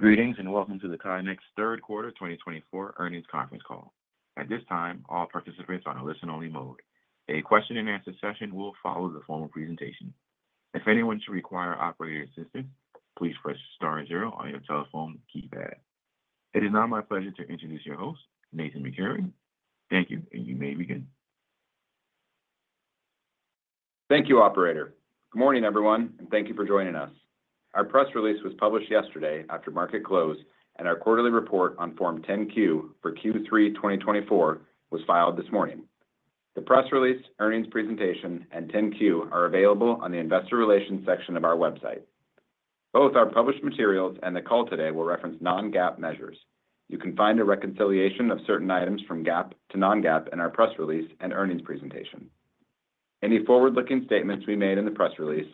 Greetings and welcome to the Cognex Third Quarter 2024 Earnings Conference Call. At this time, all participants are in a listen-only mode. A question-and-answer session will follow the formal presentation. If anyone should require operator assistance, please press star zero on your telephone keypad. It is now my pleasure to introduce your host, Nathan McCurry. Thank you, and you may begin. Thank you, Operator. Good morning, everyone, and thank you for joining us. Our press release was published yesterday after market close, and our quarterly report on Form 10-Q for Q3 2024 was filed this morning. The press release, earnings presentation, and 10-Q are available on the Investor Relations section of our website. Both our published materials and the call today will reference non-GAAP measures. You can find a reconciliation of certain items from GAAP to non-GAAP in our press release and earnings presentation. Any forward-looking statements we made in the press release,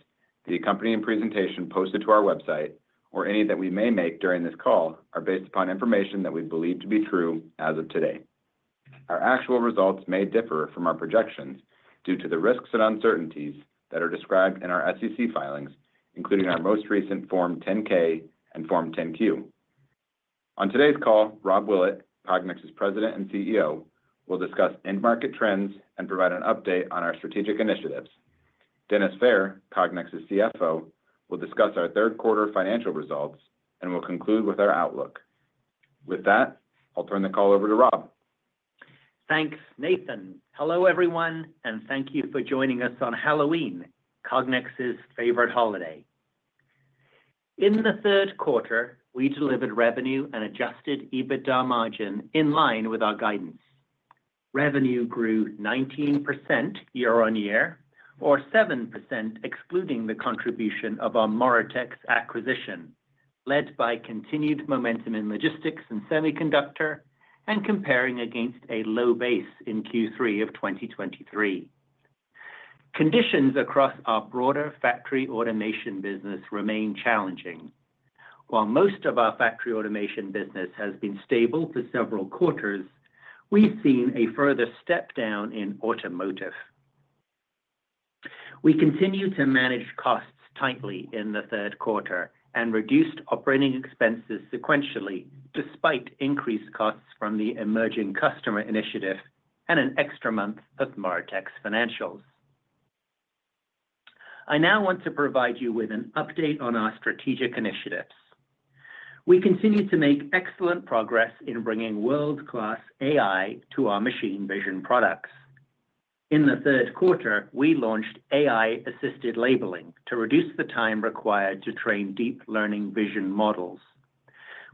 the accompanying presentation posted to our website, or any that we may make during this call are based upon information that we believe to be true as of today. Our actual results may differ from our projections due to the risks and uncertainties that are described in our SEC filings, including our most recent Form 10-K and Form 10-Q. On today's call, Rob Willett, Cognex's President and CEO, will discuss end-market trends and provide an update on our strategic initiatives. Dennis Fehr, Cognex's CFO, will discuss our third-quarter financial results and will conclude with our outlook. With that, I'll turn the call over to Rob. Thanks, Nathan. Hello, everyone, and thank you for joining us on Halloween, Cognex's favorite holiday. In the third quarter, we delivered revenue and adjusted EBITDA margin in line with our guidance. Revenue grew 19% year-on-year, or 7% excluding the contribution of our Moritex acquisition, led by continued momentum in logistics and semiconductor, and comparing against a low base in Q3 of 2023. Conditions across our broader factory automation business remain challenging. While most of our factory automation business has been stable for several quarters, we've seen a further step down in automotive. We continue to manage costs tightly in the third quarter and reduced operating expenses sequentially despite increased costs from the Emerging Customer Initiative and an extra month of Moritex financials. I now want to provide you with an update on our strategic initiatives. We continue to make excellent progress in bringing world-class AI to our machine vision products. In the third quarter, we launched AI-assisted labeling to reduce the time required to train deep learning vision models.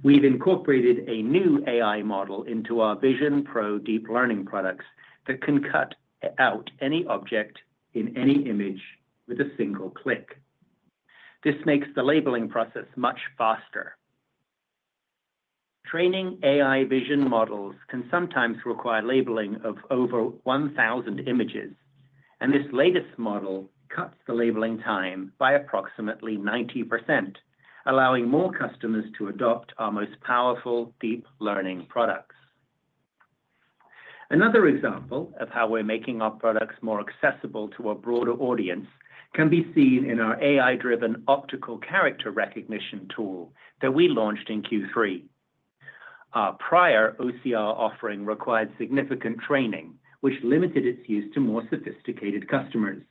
We've incorporated a new AI model into our VisionPro Deep Learning products that can cut out any object in any image with a single click. This makes the labeling process much faster. Training AI vision models can sometimes require labeling of over 1,000 images, and this latest model cuts the labeling time by approximately 90%, allowing more customers to adopt our most powerful deep learning products. Another example of how we're making our products more accessible to a broader audience can be seen in our AI-driven optical character recognition tool that we launched in Q3. Our prior OCR offering required significant training, which limited its use to more sophisticated customers.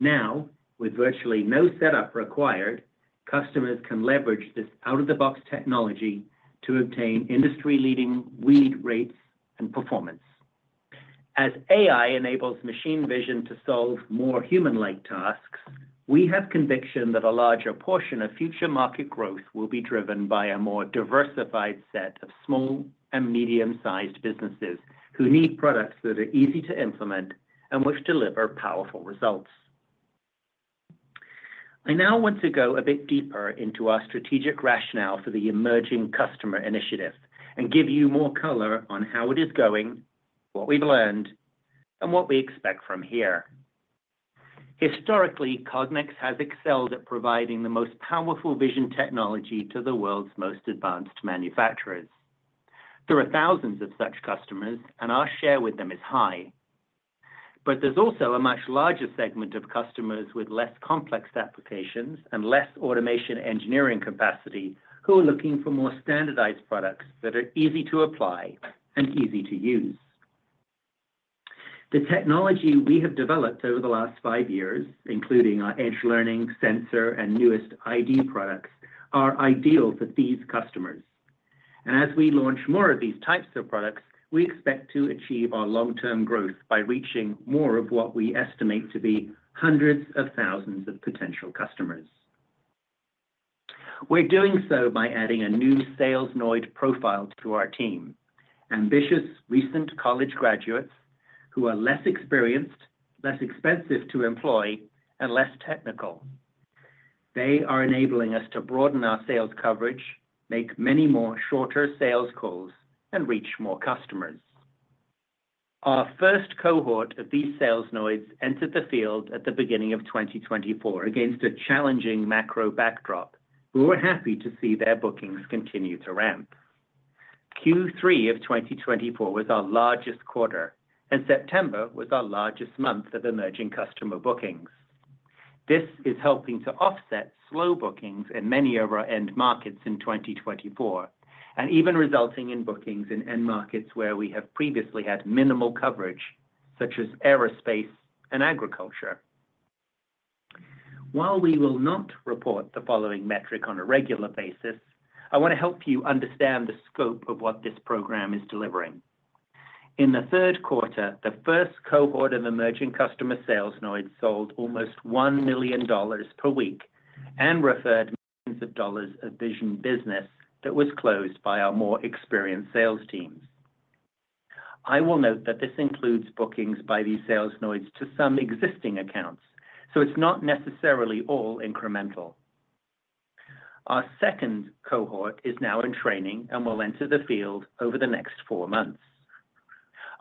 Now, with virtually no setup required, customers can leverage this out-of-the-box technology to obtain industry-leading read rates and performance. As AI enables machine vision to solve more human-like tasks, we have conviction that a larger portion of future market growth will be driven by a more diversified set of small and medium-sized businesses who need products that are easy to implement and which deliver powerful results. I now want to go a bit deeper into our strategic rationale for the Emerging Customer Initiative and give you more color on how it is going, what we've learned, and what we expect from here. Historically, Cognex has excelled at providing the most powerful vision technology to the world's most advanced manufacturers. There are thousands of such customers, and our share with them is high. But there's also a much larger segment of customers with less complex applications and less automation engineering capacity who are looking for more standardized products that are easy to apply and easy to use. The technology we have developed over the last five years, including our Edge Learning sensor and newest ID products, are ideal for these customers. And as we launch more of these types of products, we expect to achieve our long-term growth by reaching more of what we estimate to be hundreds of thousands of potential customers. We're doing so by adding a new Salesoid profile to our team: ambitious, recent college graduates who are less experienced, less expensive to employ, and less technical. They are enabling us to broaden our sales coverage, make many more shorter sales calls, and reach more customers. Our first cohort of these Salesoids entered the field at the beginning of 2024 against a challenging macro backdrop. We were happy to see their bookings continue to ramp. Q3 of 2024 was our largest quarter, and September was our largest month of emerging customer bookings. This is helping to offset slow bookings in many of our end markets in 2024, and even resulting in bookings in end markets where we have previously had minimal coverage, such as aerospace and agriculture. While we will not report the following metric on a regular basis, I want to help you understand the scope of what this program is delivering. In the third quarter, the first cohort of emerging customer Salesoids sold almost $1 million per week and referred millions of dollars of vision business that was closed by our more experienced sales teams. I will note that this includes bookings by these Salesoids to some existing accounts, so it's not necessarily all incremental. Our second cohort is now in training and will enter the field over the next four months.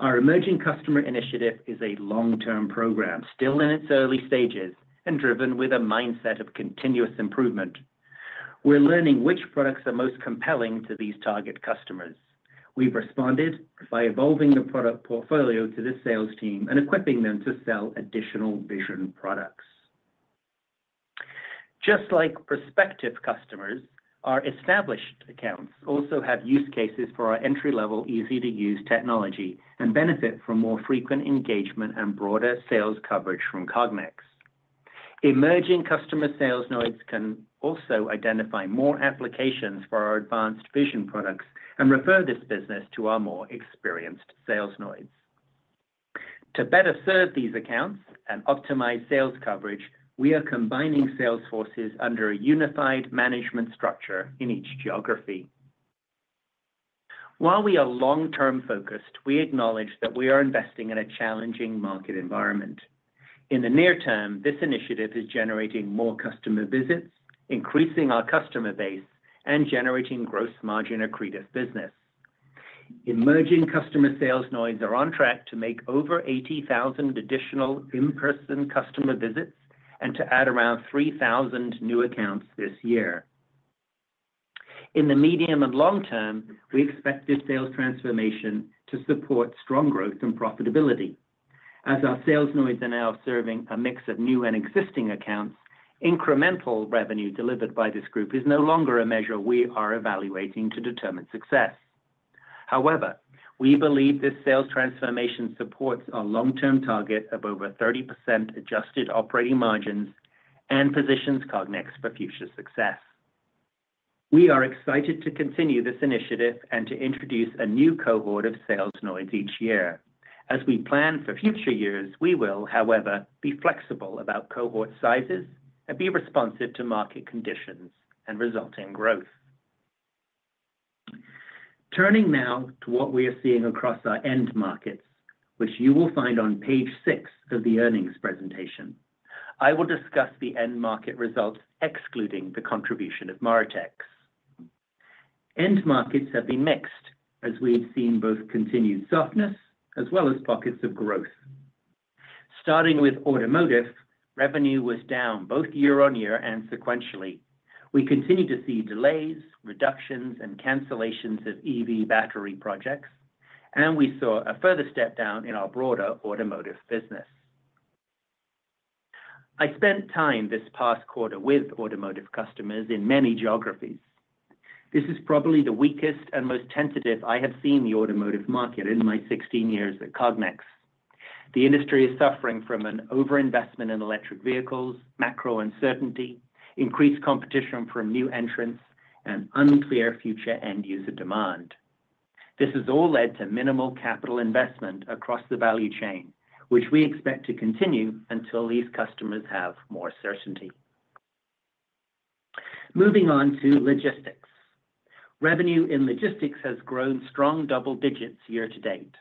Our Emerging Customer Initiative is a long-term program, still in its early stages and driven with a mindset of continuous improvement. We're learning which products are most compelling to these target customers. We've responded by evolving the product portfolio to the sales team and equipping them to sell additional vision products. Just like prospective customers, our established accounts also have use cases for our entry-level, easy-to-use technology and benefit from more frequent engagement and broader sales coverage from Cognex. Emerging customer Salesoids can also identify more applications for our advanced vision products and refer this business to our more experienced Salesoids. To better serve these accounts and optimize sales coverage, we are combining sales forces under a unified management structure in each geography. While we are long-term focused, we acknowledge that we are investing in a challenging market environment. In the near term, this initiative is generating more customer visits, increasing our customer base, and generating gross margin accretive business. Emerging customer Salesoids are on track to make over 80,000 additional in-person customer visits and to add around 3,000 new accounts this year. In the medium and long term, we expect this sales transformation to support strong growth and profitability. As our Salesoids are now serving a mix of new and existing accounts, incremental revenue delivered by this group is no longer a measure we are evaluating to determine success. However, we believe this sales transformation supports our long-term target of over 30% adjusted operating margins and positions Cognex for future success. We are excited to continue this initiative and to introduce a new cohort of Salesoids each year. As we plan for future years, we will, however, be flexible about cohort sizes and be responsive to market conditions and resulting growth. Turning now to what we are seeing across our end markets, which you will find on page six of the earnings presentation, I will discuss the end market results excluding the contribution of Moritex. End markets have been mixed, as we've seen both continued softness as well as pockets of growth. Starting with automotive, revenue was down both year-on-year and sequentially. We continue to see delays, reductions, and cancellations of EV battery projects, and we saw a further step down in our broader automotive business. I spent time this past quarter with automotive customers in many geographies. This is probably the weakest and most tentative I have seen the automotive market in my 16 years at Cognex. The industry is suffering from an overinvestment in electric vehicles, macro uncertainty, increased competition from new entrants, and unclear future end-user demand. This has all led to minimal capital investment across the value chain, which we expect to continue until these customers have more certainty. Moving on to logistics, revenue in logistics has grown strong double digits year to date.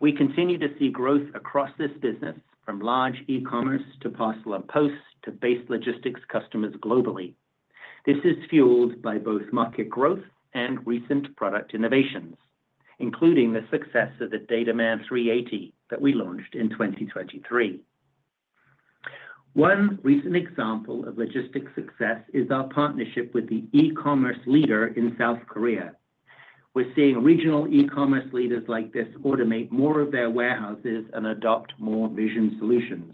We continue to see growth across this business, from large e-commerce to parcel and post to base logistics customers globally. This is fueled by both market growth and recent product innovations, including the success of the DataMan 380 that we launched in 2023. One recent example of logistics success is our partnership with the e-commerce leader in South Korea. We're seeing regional e-commerce leaders like this automate more of their warehouses and adopt more vision solutions.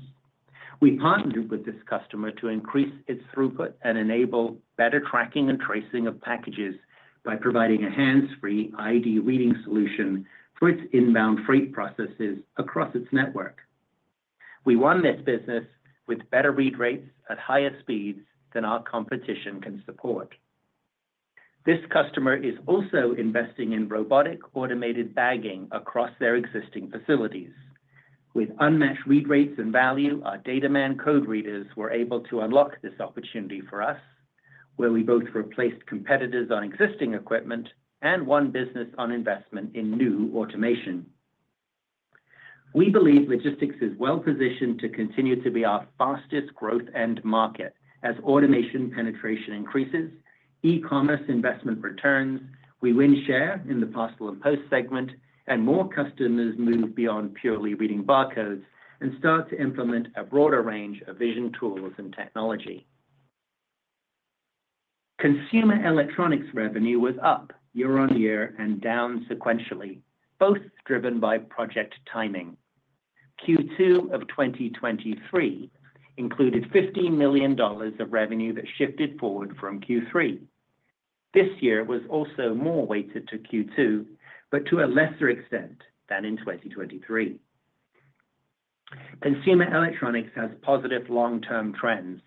We partnered with this customer to increase its throughput and enable better tracking and tracing of packages by providing a hands-free ID reading solution for its inbound freight processes across its network. We won this business with better read rates at higher speeds than our competition can support. This customer is also investing in robotic automated bagging across their existing facilities. With unmatched read rates and value, our DataMan code readers were able to unlock this opportunity for us, where we both replaced competitors on existing equipment and won business on investment in new automation. We believe logistics is well positioned to continue to be our fastest growth end market as automation penetration increases, e-commerce investment returns, we win share in the parcel and post segment, and more customers move beyond purely reading barcodes and start to implement a broader range of vision tools and technology. Consumer electronics revenue was up year-on-year and down sequentially, both driven by project timing. Q2 of 2023 included $15 million of revenue that shifted forward from Q3. This year was also more weighted to Q2, but to a lesser extent than in 2023. Consumer electronics has positive long-term trends.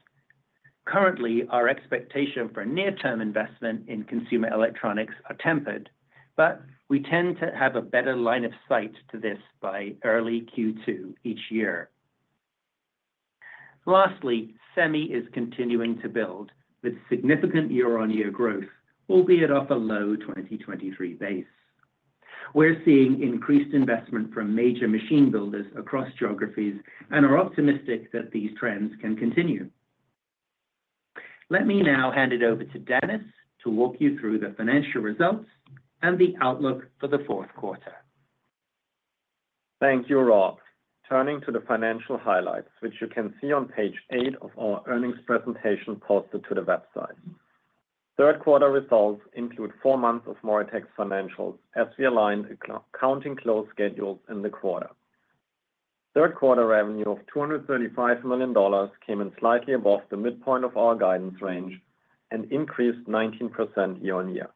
Currently, our expectation for near-term investment in consumer electronics is tempered, but we tend to have a better line of sight to this by early Q2 each year. Lastly, semi is continuing to build with significant year-on-year growth, albeit off a low 2023 base. We're seeing increased investment from major machine builders across geographies and are optimistic that these trends can continue. Let me now hand it over to Dennis to walk you through the financial results and the outlook for the fourth quarter. Thank you, Rob. Turning to the financial highlights, which you can see on page eight of our earnings presentation posted to the website. Third quarter results include four months of Moritex financials as we aligned accounting close schedules in the quarter. Third quarter revenue of $235 million came in slightly above the midpoint of our guidance range and increased 19% year-on-year.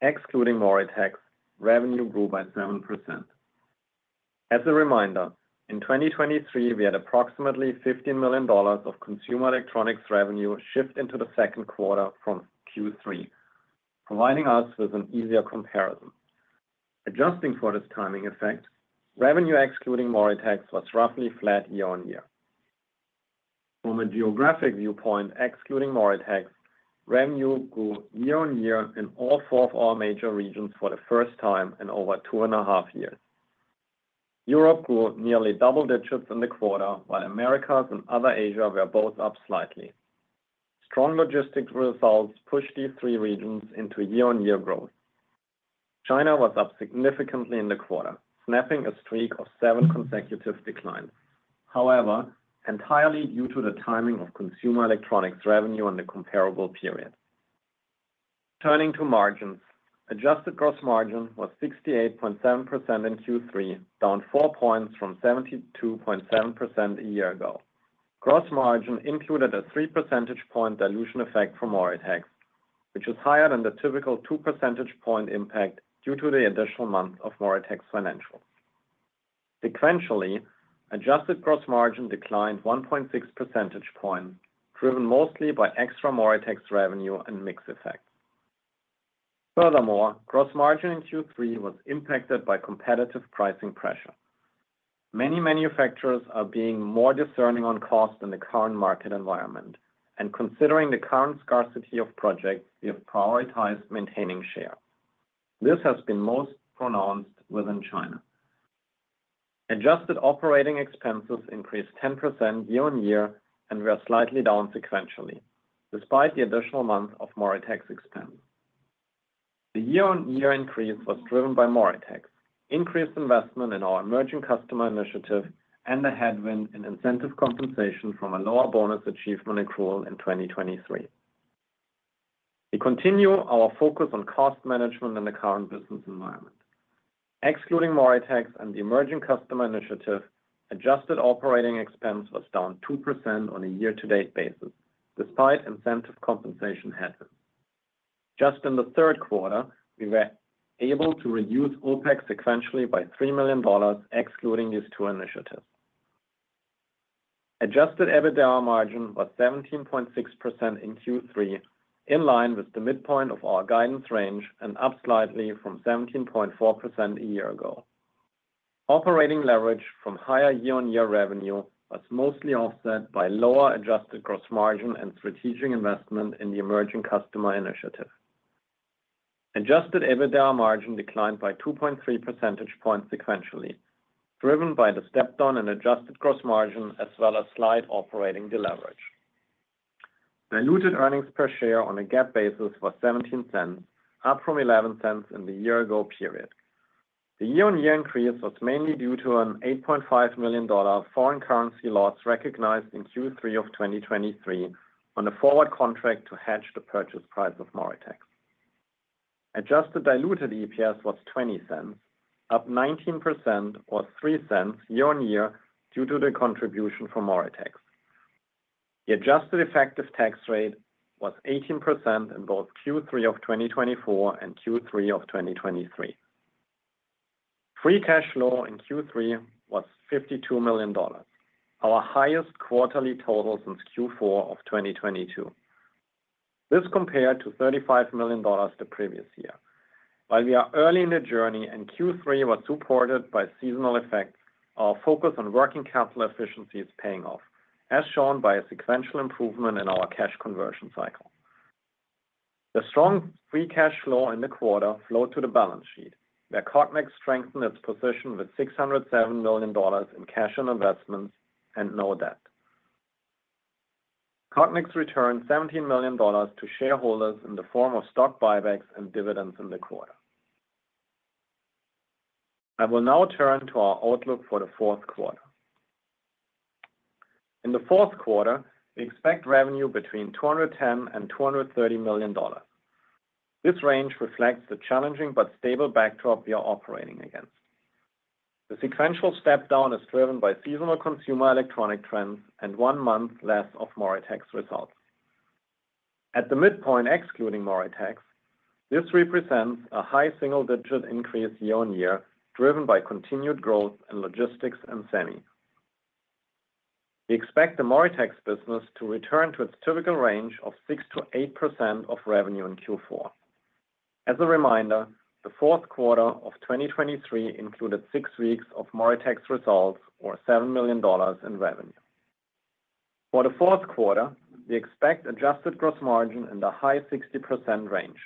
Excluding Moritex, revenue grew by 7%. As a reminder, in 2023, we had approximately $15 million of consumer electronics revenue shift into the second quarter from Q3, providing us with an easier comparison. Adjusting for this timing effect, revenue excluding Moritex was roughly flat year-on-year. From a geographic viewpoint, excluding Moritex, revenue grew year-on-year in all four of our major regions for the first time in over two and a half years. Europe grew nearly double digits in the quarter, while Americas and other Asia were both up slightly. Strong logistics results pushed these three regions into year-on-year growth. China was up significantly in the quarter, snapping a streak of seven consecutive declines, however, entirely due to the timing of consumer electronics revenue in the comparable period. Turning to margins, adjusted gross margin was 68.7% in Q3, down four points from 72.7% a year ago. Gross margin included a three percentage point dilution effect from Moritex, which is higher than the typical two percentage point impact due to the additional month of Moritex financials. Sequentially, adjusted gross margin declined 1.6 percentage points, driven mostly by extra Moritex revenue and mix effects. Furthermore, gross margin in Q3 was impacted by competitive pricing pressure. Many manufacturers are being more discerning on cost in the current market environment, and considering the current scarcity of projects, we have prioritized maintaining share. This has been most pronounced within China. Adjusted operating expenses increased 10% year-on-year and were slightly down sequentially, despite the additional month of Moritex expense. The year-on-year increase was driven by Moritex, increased investment in our Emerging Customer Initiative, and the headwind in incentive compensation from a lower bonus achievement accrual in 2023. We continue our focus on cost management in the current business environment. Excluding Moritex and the Emerging Customer Initiative, adjusted operating expense was down 2% on a year-to-date basis, despite incentive compensation headwinds. Just in the third quarter, we were able to reduce OpEx sequentially by $3 million, excluding these two initiatives. Adjusted EBITDA margin was 17.6% in Q3, in line with the midpoint of our guidance range and up slightly from 17.4% a year ago. Operating leverage from higher year-on-year revenue was mostly offset by lower adjusted gross margin and strategic investment in the Emerging Customer Initiative. Adjusted EBITDA margin declined by 2.3 percentage points sequentially, driven by the step-down in adjusted gross margin as well as slight operating deleverage. Diluted earnings per share on a GAAP basis was $0.17, up from $0.11 in the year-ago period. The year-on-year increase was mainly due to an $8.5 million foreign currency loss recognized in Q3 of 2023 on a forward contract to hedge the purchase price of Moritex. Adjusted diluted EPS was $0.20, up 19% or $0.03 year-on-year due to the contribution from Moritex. The adjusted effective tax rate was 18% in both Q3 of 2024 and Q3 of 2023. Free cash flow in Q3 was $52 million, our highest quarterly total since Q4 of 2022. This compared to $35 million the previous year. While we are early in the journey and Q3 was supported by seasonal effects, our focus on working capital efficiency is paying off, as shown by a sequential improvement in our cash conversion cycle. The strong free cash flow in the quarter flowed to the balance sheet, where Cognex strengthened its position with $607 million in cash and investments and no debt. Cognex returned $17 million to shareholders in the form of stock buybacks and dividends in the quarter. I will now turn to our outlook for the fourth quarter. In the fourth quarter, we expect revenue between $210 and $230 million. This range reflects the challenging but stable backdrop we are operating against. The sequential step-down is driven by seasonal consumer electronic trends and one month less of Moritex results. At the midpoint, excluding Moritex, this represents a high single-digit increase year-on-year, driven by continued growth in logistics and semi. We expect the Moritex business to return to its typical range of 6%-8% of revenue in Q4. As a reminder, the fourth quarter of 2023 included six weeks of Moritex results or $7 million in revenue. For the fourth quarter, we expect adjusted gross margin in the high 60% range.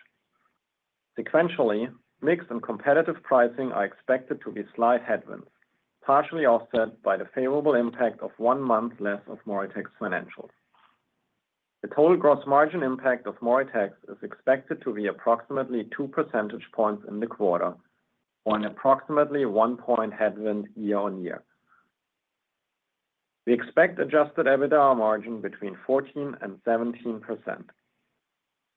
Sequentially, mixed and competitive pricing are expected to be slight headwinds, partially offset by the favorable impact of one month less of Moritex financials. The total gross margin impact of Moritex is expected to be approximately 2 percentage points in the quarter or an approximately 1-point headwind year-on-year. We expect adjusted EBITDA margin between 14% and 17%.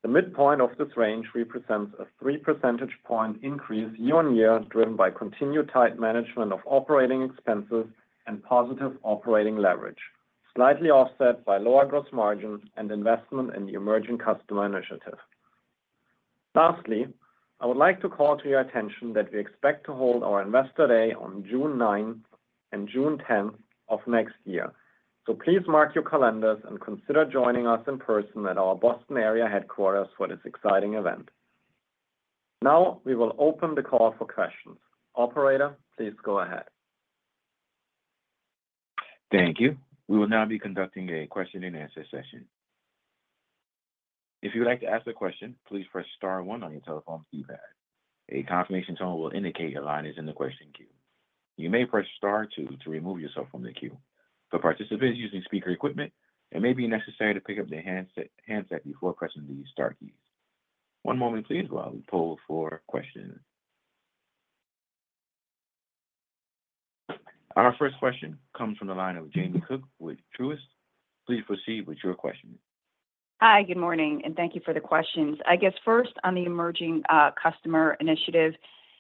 The midpoint of this range represents a three percentage point increase year-on-year, driven by continued tight management of operating expenses and positive operating leverage, slightly offset by lower gross margin and investment in the Emerging Customer Initiative. Lastly, I would like to call to your attention that we expect to hold our Investor Day on June 9 and June 10 of next year. So please mark your calendars and consider joining us in person at our Boston area headquarters for this exciting event. Now we will open the call for questions. Operator, please go ahead. Thank you. We will now be conducting a question and answer session. If you would like to ask a question, please press Star 1 on your telephone keypad. A confirmation tone will indicate your line is in the question queue. You may press Star 2 to remove yourself from the queue. For participants using speaker equipment, it may be necessary to pick up the handset before pressing the Star keys. One moment, please, while we poll for questions. Our first question comes from the line of Jamie Cook with Truist. Please proceed with your question. Hi, good morning, and thank you for the questions. I guess first, on the Emerging Customer Initiative,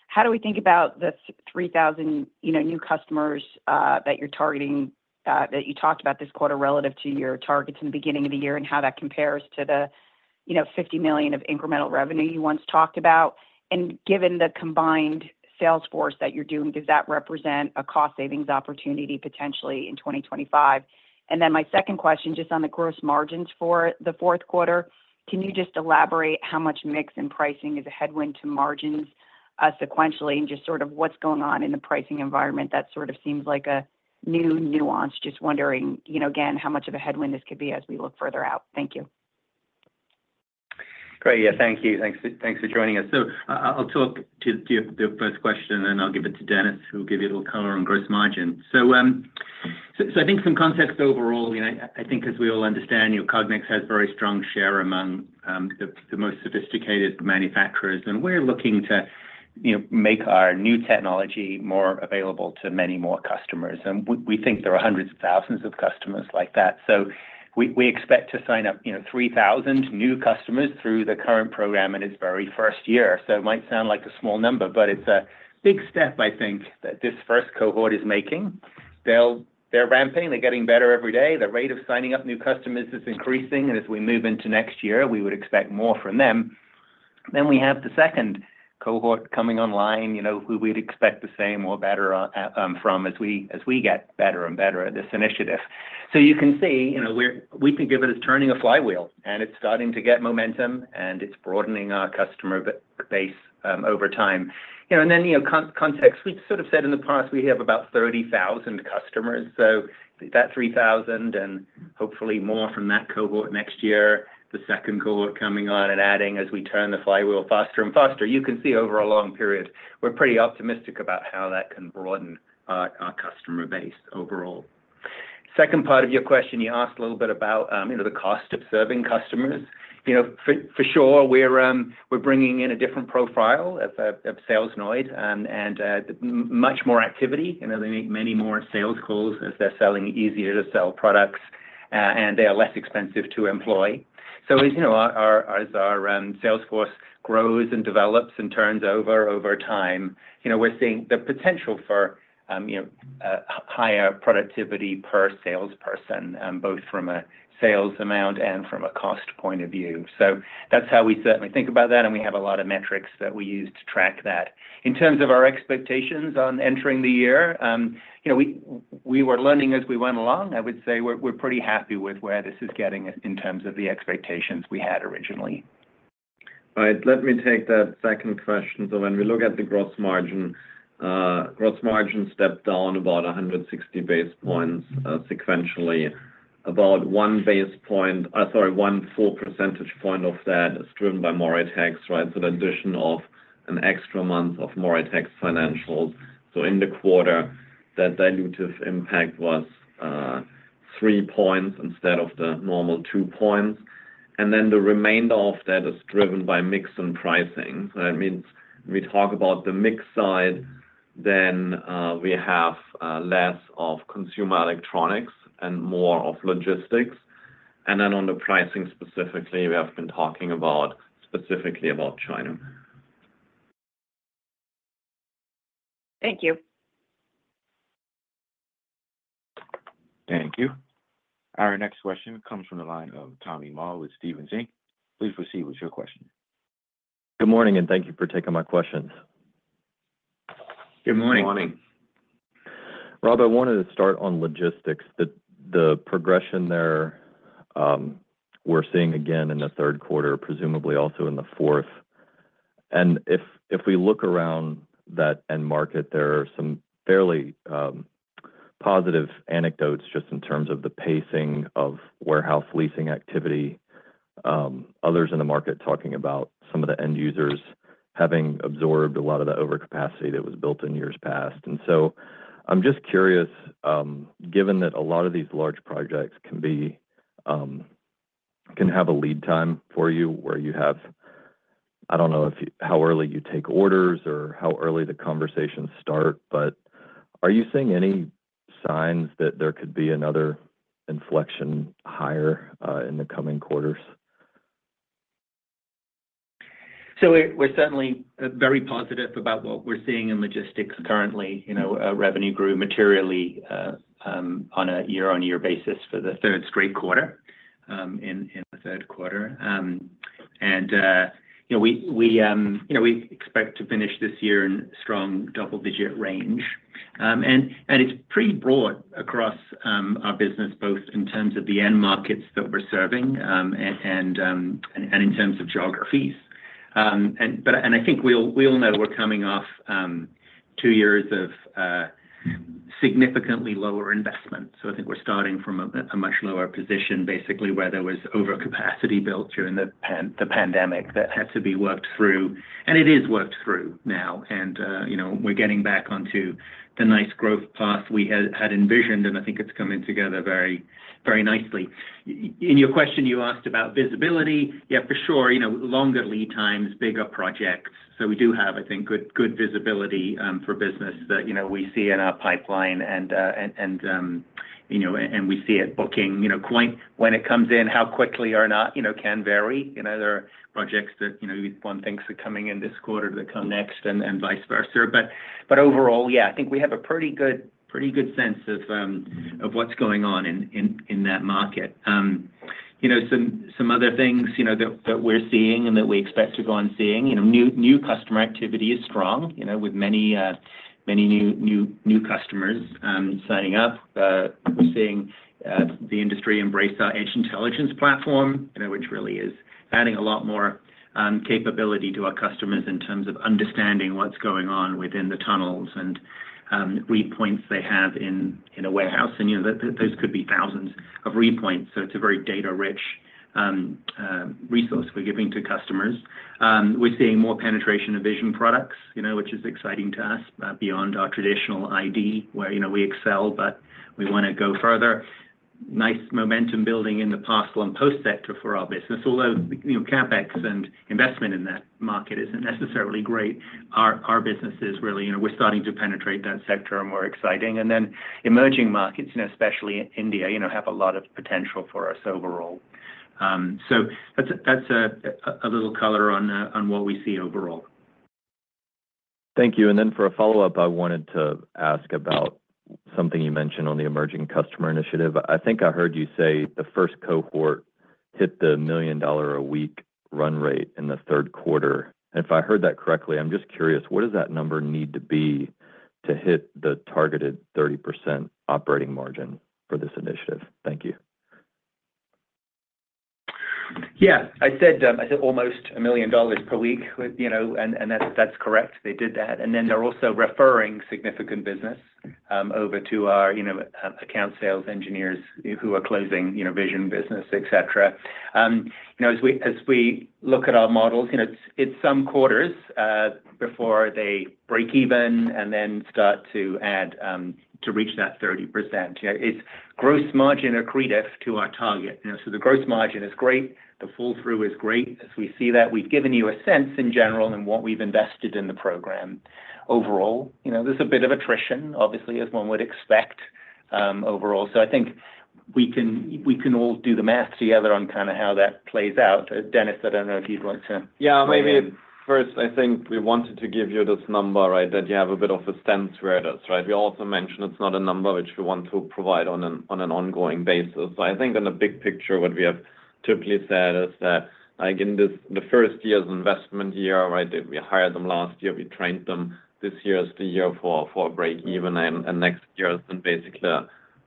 how do we think about the 3,000 new customers that you're targeting that you talked about this quarter relative to your targets in the beginning of the year and how that compares to the $50 million of incremental revenue you once talked about? And given the combined sales force that you're doing, does that represent a cost savings opportunity potentially in 2025? And then my second question, just on the gross margins for the fourth quarter, can you just elaborate how much mix and pricing is a headwind to margins sequentially and just sort of what's going on in the pricing environment that sort of seems like a new nuance? Just wondering, again, how much of a headwind this could be as we look further out. Thank you. Great. Yeah, thank you. Thanks for joining us. So I'll talk to the first question, and then I'll give it to Dennis, who will give you a little color on gross margin. So I think some context overall, I think, as we all understand, Cognex has a very strong share among the most sophisticated manufacturers. And we're looking to make our new technology more available to many more customers. And we think there are hundreds of thousands of customers like that. We expect to sign up 3,000 new customers through the current program in its very first year. So it might sound like a small number, but it's a big step, I think, that this first cohort is making. They're ramping. They're getting better every day. The rate of signing up new customers is increasing. And as we move into next year, we would expect more from them. Then we have the second cohort coming online, who we'd expect the same or better from as we get better and better at this initiative. So you can see we think of it as turning a flywheel, and it's starting to get momentum, and it's broadening our customer base over time. And then context, we've sort of said in the past, we have about 30,000 customers. So that 3,000 and hopefully more from that cohort next year, the second cohort coming on and adding as we turn the flywheel faster and faster, you can see over a long period, we're pretty optimistic about how that can broaden our customer base overall. Second part of your question, you asked a little bit about the cost of serving customers. For sure, we're bringing in a different profile of Salesoid and much more activity. They make many more sales calls as they're selling easier-to-sell products, and they are less expensive to employ. So as our sales force grows and develops and turns over over time, we're seeing the potential for higher productivity per salesperson, both from a sales amount and from a cost point of view. So that's how we certainly think about that, and we have a lot of metrics that we use to track that. In terms of our expectations on entering the year, we were learning as we went along. I would say we're pretty happy with where this is getting in terms of the expectations we had originally. All right. Let me take that second question. So when we look at the gross margin, gross margin stepped down about 160 basis points sequentially. About one basis point, sorry, one full percentage point of that is driven by Moritex, right? So the addition of an extra month of Moritex financials. So in the quarter, that dilutive impact was three points instead of the normal two points. And then the remainder of that is driven by mix and pricing. So that means when we talk about the mix side, then we have less of consumer electronics and more of logistics. And then on the pricing specifically, we have been talking specifically about China. Thank you. Thank you. Our next question comes from the line of Tommy Moll with Stephens Inc. Please proceed with your question. Good morning, and thank you for taking my question. Good morning. Good morning. Robert, I wanted to start on logistics. The progression there we're seeing again in the third quarter, presumably also in the fourth. And if we look around that end market, there are some fairly positive anecdotes just in terms of the pacing of warehouse leasing activity, others in the market talking about some of the end users having absorbed a lot of the overcapacity that was built in years past. I'm just curious, given that a lot of these large projects can have a lead time for you where you have - I don't know how early you take orders or how early the conversations start - but are you seeing any signs that there could be another inflection higher in the coming quarters. We're certainly very positive about what we're seeing in logistics currently. Revenue grew materially on a year-on-year basis for the third straight quarter in the third quarter. We expect to finish this year in a strong double-digit range. It's pretty broad across our business, both in terms of the end markets that we're serving and in terms of geographies. I think we all know we're coming off two years of significantly lower investment. So I think we're starting from a much lower position, basically, where there was overcapacity built during the pandemic that had to be worked through. And it is worked through now. And we're getting back onto the nice growth path we had envisioned, and I think it's coming together very nicely. In your question, you asked about visibility. Yeah, for sure, longer lead times, bigger projects. So we do have, I think, good visibility for business that we see in our pipeline. And we see it booking. When it comes in, how quickly or not can vary. There are projects that one thinks are coming in this quarter that come next and vice versa. But overall, yeah, I think we have a pretty good sense of what's going on in that market. Some other things that we're seeing and that we expect to go on seeing. New customer activity is strong with many new customers signing up. We're seeing the industry embrace our Edge Intelligence platform, which really is adding a lot more capability to our customers in terms of understanding what's going on within the tunnels and read points they have in a warehouse. And those could be thousands of read points. So it's a very data-rich resource we're giving to customers. We're seeing more penetration of vision products, which is exciting to us beyond our traditional ID, where we excel, but we want to go further. Nice momentum building in the parcel and post sector for our business. Although CapEx and investment in that market isn't necessarily great, our business is really, we're starting to penetrate that sector more exciting. And then emerging markets, especially India, have a lot of potential for us overall. So that's a little color on what we see overall. Thank you, and then for a follow-up, I wanted to ask about something you mentioned on the Emerging Customer Initiative. I think I heard you say the first cohort hit the $1 million-a-week run rate in the third quarter. If I heard that correctly, I'm just curious, what does that number need to be to hit the targeted 30% operating margin for this initiative? Thank you. Yeah. I said almost $1 million per week, and that's correct. They did that, and then they're also referring significant business over to our account sales engineers who are closing vision business, etc. As we look at our models, it's some quarters before they break even and then start to reach that 30%. It's gross margin accretive to our target. So the gross margin is great. The flow-through is great. As we see that, we've given you a sense in general and what we've invested in the program overall. There's a bit of attrition, obviously, as one would expect overall. So I think we can all do the math together on kind of how that plays out. Dennis, I don't know if you'd like to. Yeah. Maybe first, I think we wanted to give you this number, right, that you have a bit of a sense where it is, right? We also mentioned it's not a number which we want to provide on an ongoing basis. So I think in the big picture, what we have typically said is that in the first year's investment year, right, we hired them last year, we trained them. This year is the year for a break even, and next year is basically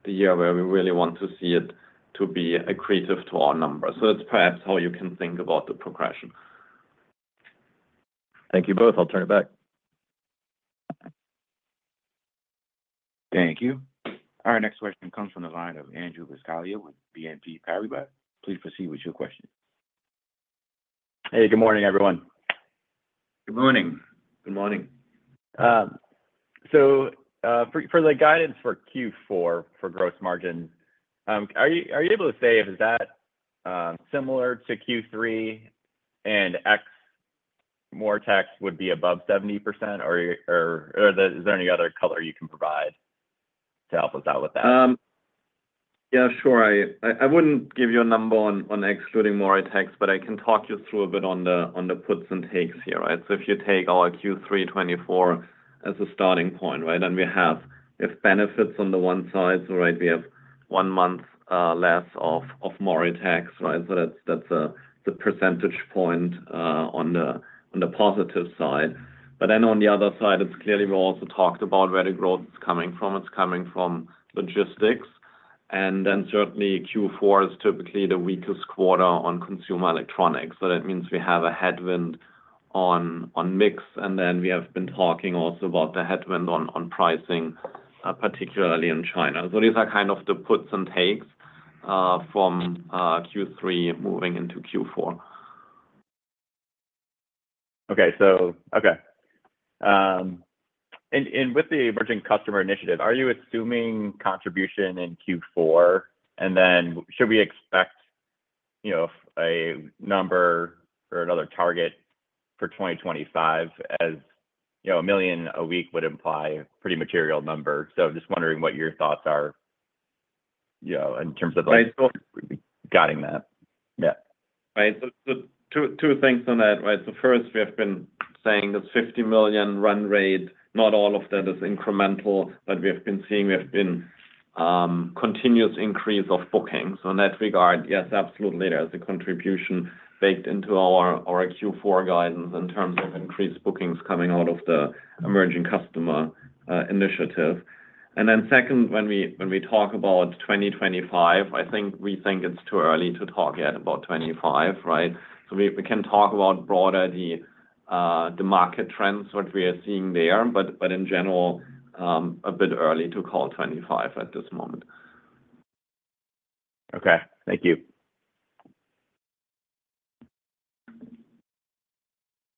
the year where we really want to see it to be accretive to our number. So that's perhaps how you can think about the progression. Thank you both. I'll turn it back. Thank you. Our next question comes from the line of Andrew Buscaglia with BNP Paribas. Please proceed with your question. Hey, good morning, everyone. Good morning. Good morning. So for the guidance for Q4 for gross margin, are you able to say if that's similar to Q3 and Moritex would be above 70%, or is there any other color you can provide to help us out with that? Yeah, sure. I wouldn't give you a number one excluding Moritex, but I can talk you through a bit on the puts and takes here, right? So if you take our Q3 2024 as a starting point, right, then we have benefits on the one side, so right, we have one month less of Moritex, right. So that's a percentage point on the positive side. But then on the other side, it's clearly we also talked about where the growth is coming from. It's coming from logistics. And then certainly, Q4 is typically the weakest quarter on consumer electronics. So that means we have a headwind on mix. And then we have been talking also about the headwind on pricing, particularly in China. So these are kind of the puts and takes from Q3 moving into Q4. Okay. So, okay. And with the Emerging Customer Initiative, are you assuming contribution in Q4? And then should we expect a number or another target for 2025 as a million a week would imply a pretty material number? So I'm just wondering what your thoughts are in terms of guiding that. Yeah. Right. So two things on that, right? So first, we have been saying it's $50 million run rate. Not all of that is incremental, but we have been seeing continuous increase of bookings. So in that regard, yes, absolutely, there is a contribution baked into our Q4 guidance in terms of increased bookings coming out of the Emerging Customer Initiative. And then second, when we talk about 2025, I think we think it's too early to talk yet about 25, right? So we can talk about broader market trends, what we are seeing there, but in general, a bit early to call 25 at this moment. Okay. Thank you.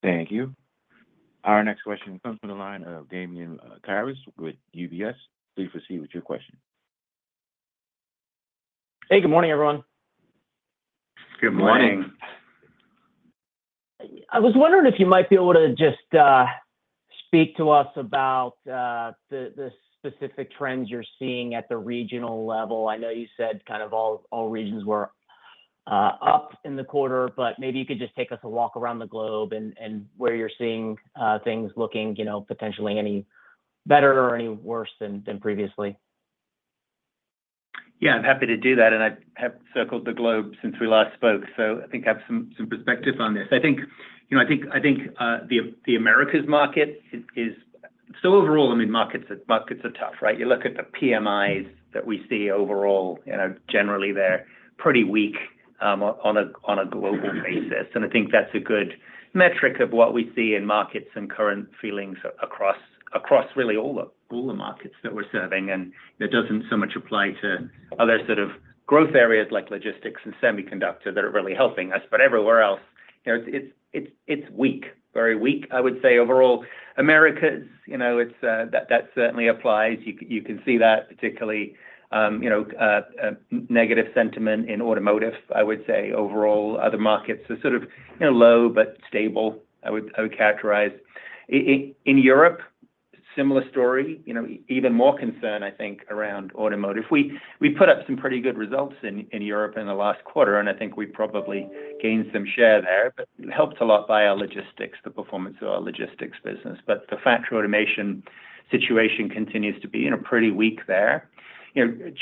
Thank you. Our next question comes from the line of Damian Karas with UBS. Please proceed with your question. Hey, good morning, everyone. Good morning. I was wondering if you might be able to just speak to us about the specific trends you're seeing at the regional level. I know you said kind of all regions were up in the quarter, but maybe you could just take us a walk around the globe and where you're seeing things looking potentially any better or any worse than previously. Yeah, I'm happy to do that, and I have circled the globe since we last spoke, so I think I have some perspective on this. I think the Americas market is so overall, I mean, markets are tough, right? You look at the PMIs that we see overall, generally, they're pretty weak on a global basis, and I think that's a good metric of what we see in markets and current feelings across really all the markets that we're serving. And that doesn't so much apply to other sort of growth areas like logistics and semiconductor that are really helping us. But everywhere else, it's weak, very weak, I would say, overall. Americas, that certainly applies. You can see that, particularly negative sentiment in automotive, I would say, overall. Other markets are sort of low but stable, I would characterize. In Europe, similar story, even more concern, I think, around automotive. We put up some pretty good results in Europe in the last quarter, and I think we probably gained some share there. But helped a lot by our logistics, the performance of our logistics business. But the factory automation situation continues to be pretty weak there.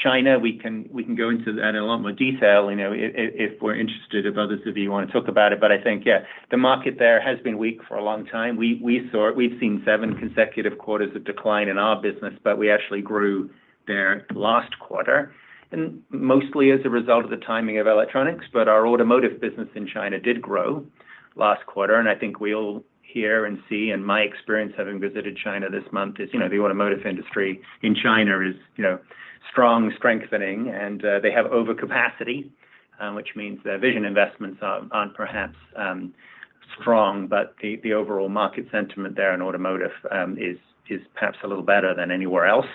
China, we can go into that in a lot more detail if we're interested, if others of you want to talk about it. But I think, yeah, the market there has been weak for a long time. We've seen seven consecutive quarters of decline in our business, but we actually grew there last quarter, mostly as a result of the timing of electronics. But our automotive business in China did grow last quarter. And I think we all hear and see, and my experience having visited China this month, is the automotive industry in China is strong, strengthening, and they have overcapacity, which means their vision investments aren't perhaps strong. But the overall market sentiment there in automotive is perhaps a little better than anywhere else.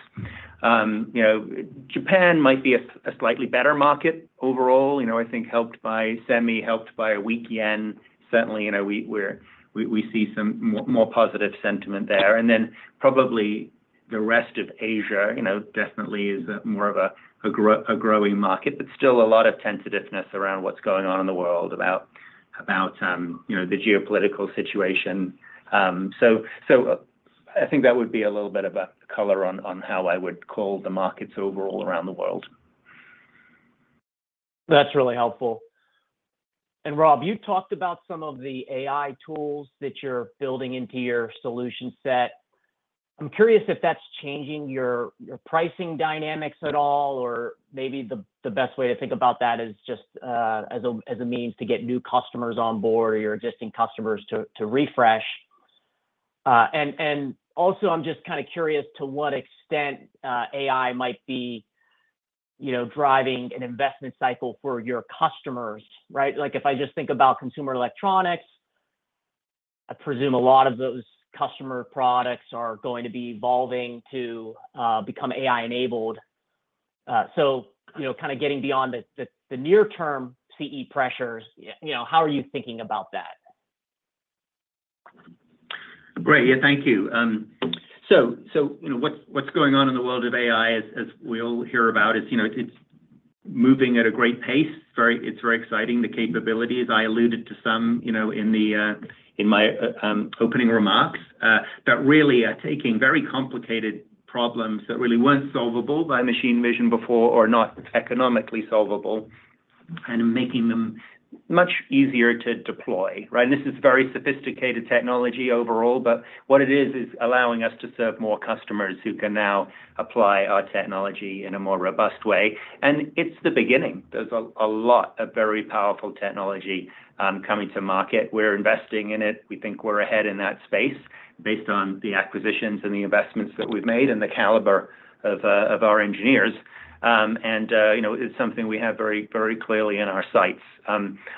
Japan might be a slightly better market overall, I think, helped by semi, helped by a weak yen. Certainly, we see some more positive sentiment there. And then probably the rest of Asia definitely is more of a growing market, but still a lot of tentativeness around what's going on in the world about the geopolitical situation. So I think that would be a little bit of a color on how I would call the markets overall around the world. That's really helpful. And Rob, you talked about some of the AI tools that you're building into your solution set. I'm curious if that's changing your pricing dynamics at all, or maybe the best way to think about that is just as a means to get new customers on board or your existing customers to refresh. And also, I'm just kind of curious to what extent AI might be driving an investment cycle for your customers, right? If I just think about consumer electronics, I presume a lot of those customer products are going to be evolving to become AI-enabled. So kind of getting beyond the near-term CE pressures, how are you thinking about that? Great. Yeah, thank you. So what's going on in the world of AI, as we all hear about, is it's moving at a great pace. It's very exciting. The capabilities, I alluded to some in my opening remarks, that really are taking very complicated problems that really weren't solvable by machine vision before or not economically solvable and making them much easier to deploy, right? And this is very sophisticated technology overall, but what it is, is allowing us to serve more customers who can now apply our technology in a more robust way. And it's the beginning. There's a lot of very powerful technology coming to market. We're investing in it. We think we're ahead in that space based on the acquisitions and the investments that we've made and the caliber of our engineers, and it's something we have very clearly in our sights.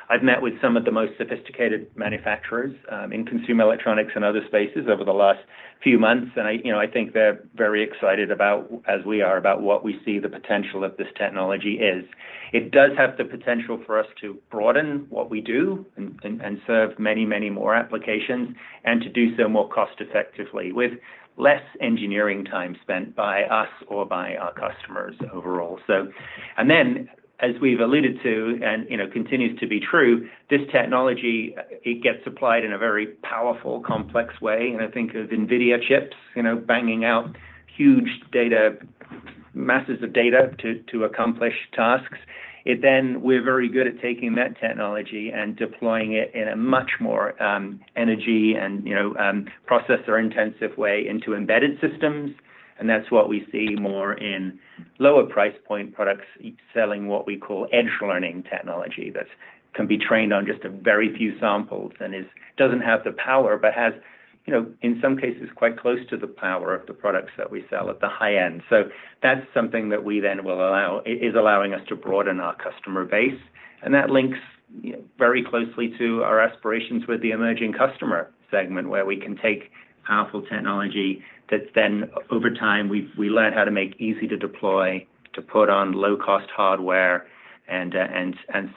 I've met with some of the most sophisticated manufacturers in consumer electronics and other spaces over the last few months, and I think they're very excited about, as we are, about what we see the potential of this technology is. It does have the potential for us to broaden what we do and serve many, many more applications and to do so more cost-effectively with less engineering time spent by us or by our customers overall, and then, as we've alluded to and continues to be true, this technology, it gets applied in a very powerful, complex way, and I think of NVIDIA chips banging out huge data, masses of data to accomplish tasks. We're very good at taking that technology and deploying it in a much more energy and processor-intensive way into embedded systems. That's what we see more in lower price point products selling what we call Edge Learning technology that can be trained on just a very few samples and doesn't have the power but has, in some cases, quite close to the power of the products that we sell at the high end. That's something that we then will allow is allowing us to broaden our customer base. That links very closely to our aspirations with the emerging customer segment, where we can take powerful technology that then over time, we learn how to make easy to deploy, to put on low-cost hardware, and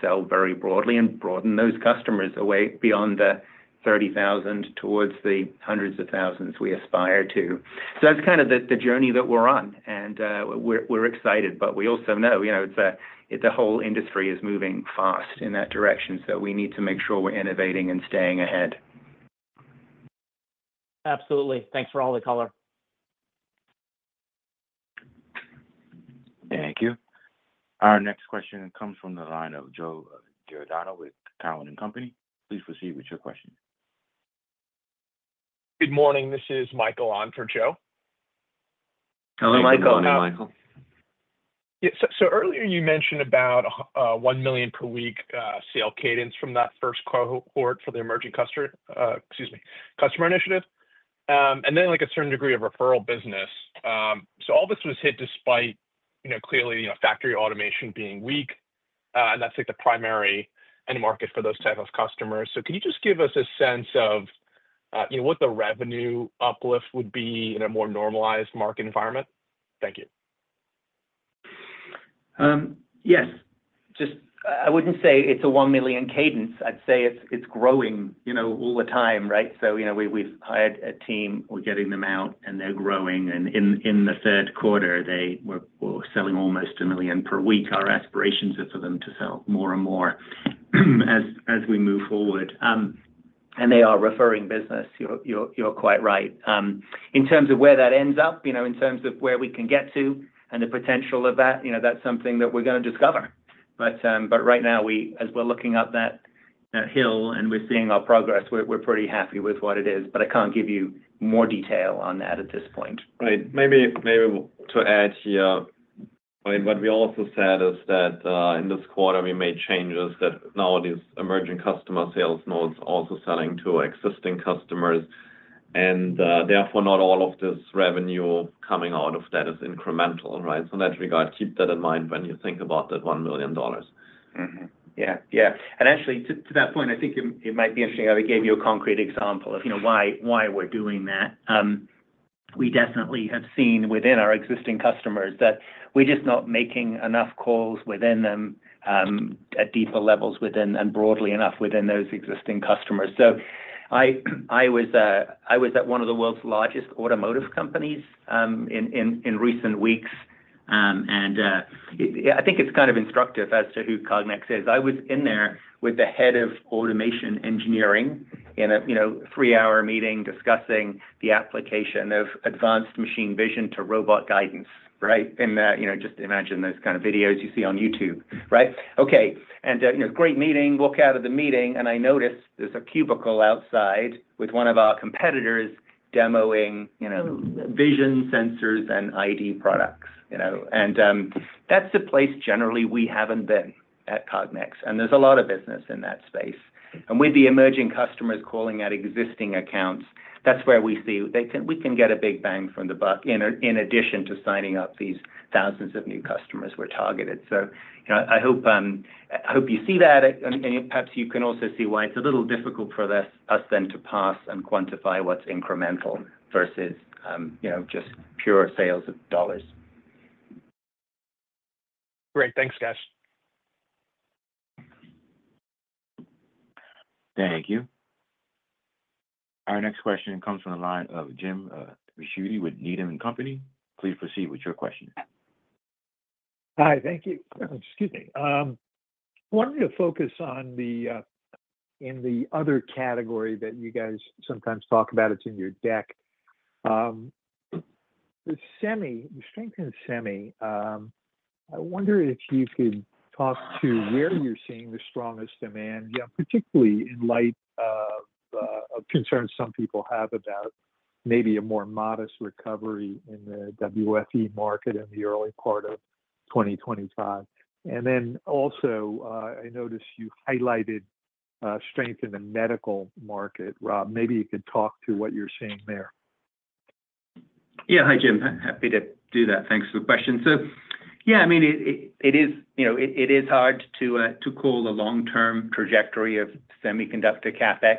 sell very broadly and broaden those customers away beyond the 30,000 towards the hundreds of thousands we aspire to. So that's kind of the journey that we're on. And we're excited, but we also know the whole industry is moving fast in that direction. So we need to make sure we're innovating and staying ahead. Absolutely. Thanks for all the color. Thank you. Our next question comes from the line of Joe Giordano with TD Cowen. Please proceed with your question. Good morning. This is Michael on for Joe. Hello, Michael. Good morning, Michael. So earlier, you mentioned about a $1 million per week sale cadence from that first cohort for the Emerging Customer Initiative, and then a certain degree of referral business. So all this was hit despite clearly factory automation being weak, and that's the primary end market for those types of customers. So can you just give us a sense of what the revenue uplift would be in a more normalized market environment? Thank you. Yes. I wouldn't say it's a one million cadence. I'd say it's growing all the time, right? So we've hired a team. We're getting them out, and they're growing. And in the third quarter, we're selling almost a million per week. Our aspirations are for them to sell more and more as we move forward. And they are referring business. You're quite right. In terms of where that ends up, in terms of where we can get to and the potential of that, that's something that we're going to discover. But right now, as we're looking up that hill and we're seeing our progress, we're pretty happy with what it is. But I can't give you more detail on that at this point. Right. Maybe to add here, what we also said is that in this quarter, we made changes that now our emerging customer sales now also selling to existing customers. And therefore, not all of this revenue coming out of that is incremental, right? So in that regard, keep that in mind when you think about that $1 million. Yeah. Yeah. And actually, to that point, I think it might be interesting that we gave you a concrete example of why we're doing that. We definitely have seen within our existing customers that we're just not making enough calls within them at deeper levels and broadly enough within those existing customers. So I was at one of the world's largest automotive companies in recent weeks. And I think it's kind of instructive as to who Cognex is. I was in there with the head of automation engineering in a three-hour meeting discussing the application of advanced machine vision to robot guidance, right? And just imagine those kind of videos you see on YouTube, right? Okay. And great meeting. Walk out of the meeting, and I noticed there's a cubicle outside with one of our competitors demoing vision sensors and ID products. And that's the place generally we haven't been at Cognex. And there's a lot of business in that space. And with the emerging customers calling at existing accounts, that's where we see we can get a big bang for the buck in addition to signing up these thousands of new customers we're targeted. So I hope you see that. And perhaps you can also see why it's a little difficult for us then to pass and quantify what's incremental versus just pure sales of dollars. Great. Thanks, guys. Thank you. Our next question comes from the line of James Ricchiuti with Needham & Company. Please proceed with your question. Hi. Thank you. Excuse me. I wanted to focus on the other category that you guys sometimes talk about. It's in your deck. The strength in semi, I wonder if you could talk to where you're seeing the strongest demand, particularly in light of concerns some people have about maybe a more modest recovery in the WFE market in the early part of 2025. And then also, I noticed you highlighted strength in the medical market. Rob, maybe you could talk to what you're seeing there. Yeah. Hi, Jim. Happy to do that. Thanks for the question. So yeah, I mean, it is hard to call the long-term trajectory of semiconductor CapEx,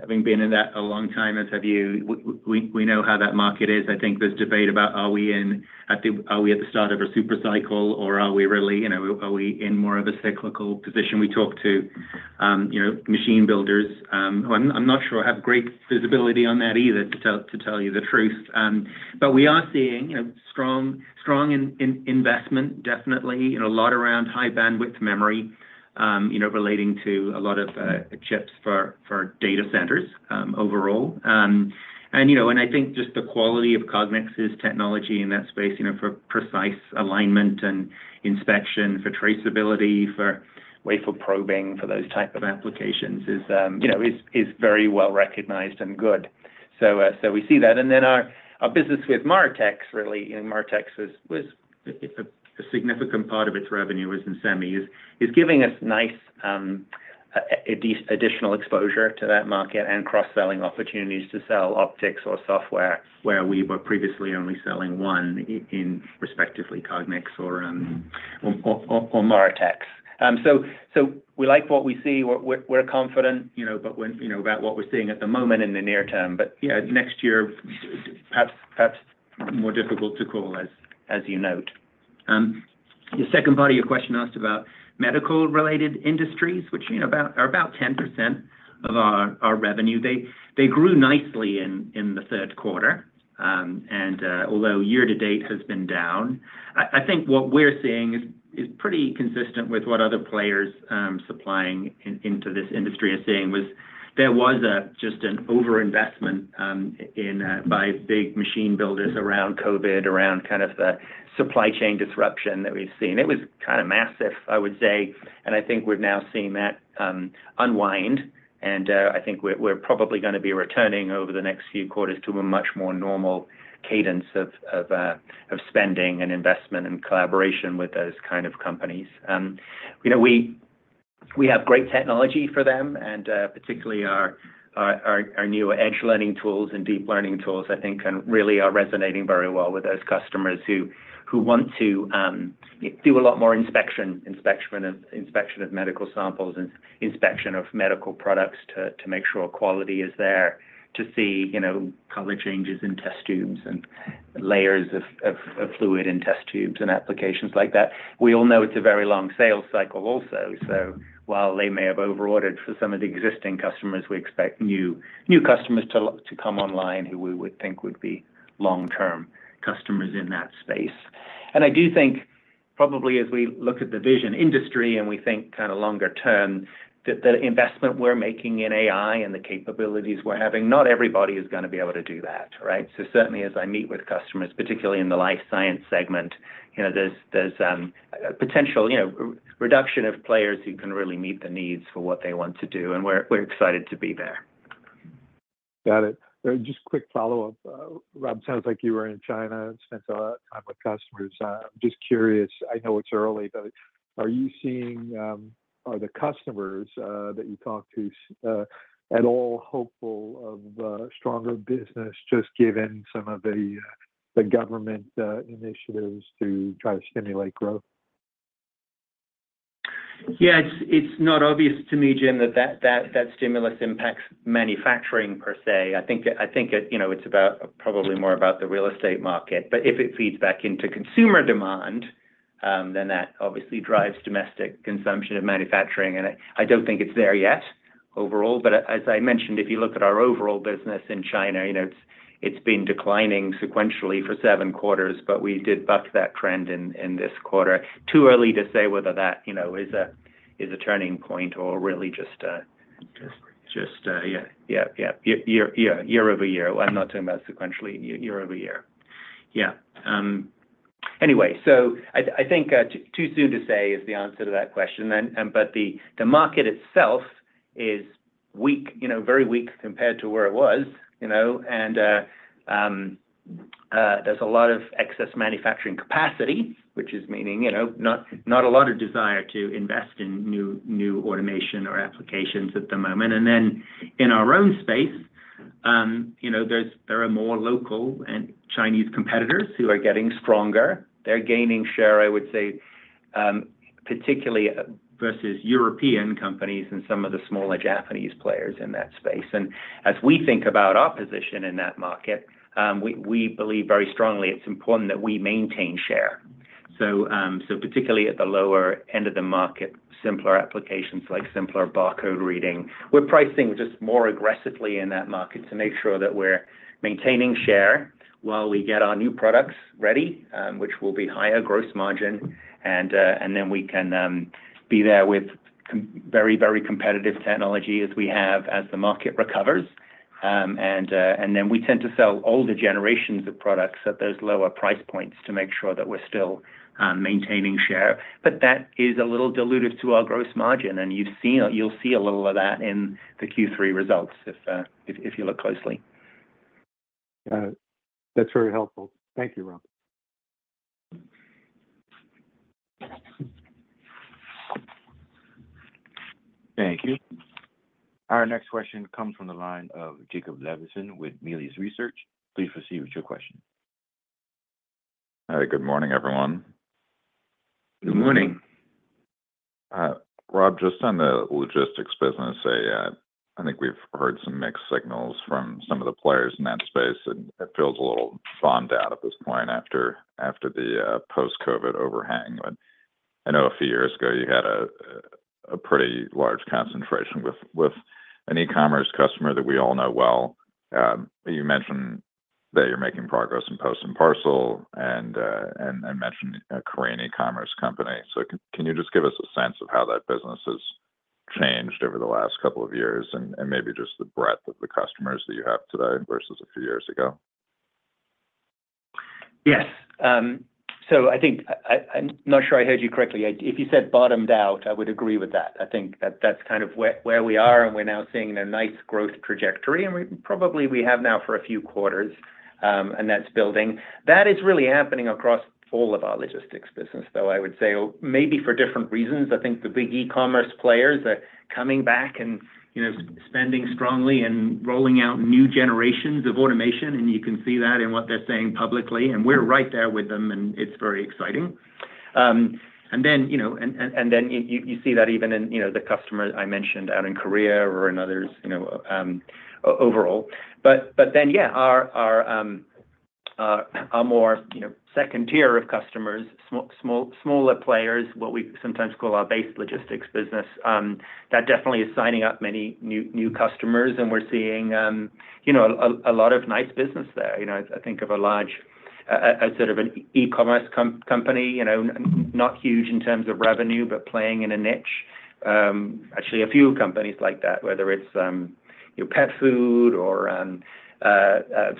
having been in that a long time, as have you. We know how that market is. I think there's debate about, are we at the start of a supercycle, or are we really in more of a cyclical position? We talk to machine builders. I'm not sure I have great visibility on that either, to tell you the truth. But we are seeing strong investment, definitely, a lot around High Bandwidth Memory relating to a lot of chips for data centers overall. And I think just the quality of Cognex's technology in that space for precise alignment and inspection, for traceability, for wafer probing, for those types of applications is very well recognized and good. So we see that. Our business with Moritex, really, Moritex was a significant part of its revenue is in semi, is giving us additional exposure to that market and cross-selling opportunities to sell optics or software where we were previously only selling one in respectively Cognex or Moritex. So we like what we see. We're confident about what we're seeing at the moment in the near term. But yeah, next year, perhaps more difficult to call, as you note. The second part of your question asked about medical-related industries, which are about 10% of our revenue. They grew nicely in the third quarter, and although year-to-date has been down, I think what we're seeing is pretty consistent with what other players supplying into this industry are seeing, was there was just an overinvestment by big machine builders around COVID, around kind of the supply chain disruption that we've seen. It was kind of massive, I would say. And I think we're now seeing that unwind. And I think we're probably going to be returning over the next few quarters to a much more normal cadence of spending and investment and collaboration with those kinds of companies. We have great technology for them, and particularly our new Edge Learning tools and deep learning tools, I think, really are resonating very well with those customers who want to do a lot more inspection of medical samples and inspection of medical products to make sure quality is there, to see color changes in test tubes and layers of fluid in test tubes and applications like that. We all know it's a very long sales cycle also. So while they may have overordered for some of the existing customers, we expect new customers to come online who we would think would be long-term customers in that space. And I do think probably as we look at the vision industry and we think kind of longer term, that the investment we're making in AI and the capabilities we're having, not everybody is going to be able to do that, right? So certainly, as I meet with customers, particularly in the life science segment, there's potential reduction of players who can really meet the needs for what they want to do. And we're excited to be there. Got it. Just quick follow-up. Rob, it sounds like you were in China and spent a lot of time with customers. I'm just curious. I know it's early, but are you seeing, are the customers that you talk to at all hopeful of stronger business just given some of the government initiatives to try to stimulate growth? Yeah. It's not obvious to me, Jim, that that stimulus impacts manufacturing per se. I think it's probably more about the real estate market. But if it feeds back into consumer demand, then that obviously drives domestic consumption of manufacturing. And I don't think it's there yet overall. But as I mentioned, if you look at our overall business in China, it's been declining sequentially for seven quarters, but we did buck that trend in this quarter. Too early to say whether that is a turning point or really just a. Just, yeah. Yep, yep. Year over year. I'm not talking about sequentially. Year over year. Yeah. Anyway, so I think too soon to say is the answer to that question. But the market itself is very weak compared to where it was. And there's a lot of excess manufacturing capacity, which means not a lot of desire to invest in new automation or applications at the moment. And then in our own space, there are more local and Chinese competitors who are getting stronger. They're gaining share, I would say, particularly versus European companies and some of the smaller Japanese players in that space. And as we think about our position in that market, we believe very strongly it's important that we maintain share. So particularly at the lower end of the market, simpler applications like simpler barcode reading. We're pricing just more aggressively in that market to make sure that we're maintaining share while we get our new products ready, which will be higher gross margin. And then we can be there with very, very competitive technology as we have as the market recovers. And then we tend to sell older generations of products at those lower price points to make sure that we're still maintaining share. But that is a little diluted to our gross margin. And you'll see a little of that in the Q3 results if you look closely. Got it. That's very helpful. Thank you, Rob. Thank you. Our next question comes from the line of Jacob Levinson with Needham & Company. Please proceed with your question. Hi. Good morning, everyone. Good morning. Rob, just on the logistics business, I think we've heard some mixed signals from some of the players in that space. It feels a little bottomed out at this point after the post-COVID overhang, but I know a few years ago, you had a pretty large concentration with an e-commerce customer that we all know well. You mentioned that you're making progress in post and parcel and mentioned a Korean e-commerce company, so can you just give us a sense of how that business has changed over the last couple of years and maybe just the breadth of the customers that you have today versus a few years ago? Yes, so I think I'm not sure I heard you correctly. If you said bottomed out, I would agree with that. I think that that's kind of where we are, and we're now seeing a nice growth trajectory, and probably we have now for a few quarters, and that's building. That is really happening across all of our logistics business, though, I would say, maybe for different reasons. I think the big e-commerce players are coming back and spending strongly and rolling out new generations of automation. And you can see that in what they're saying publicly. And we're right there with them. And it's very exciting. And then you see that even in the customer I mentioned out in Korea or in others overall. But then, yeah, our more second tier of customers, smaller players, what we sometimes call our base logistics business, that definitely is signing up many new customers. And we're seeing a lot of nice business there. I think of a large sort of an e-commerce company, not huge in terms of revenue, but playing in a niche. Actually, a few companies like that, whether it's pet food or